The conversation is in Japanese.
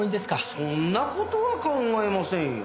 そんな事は考えませんよ。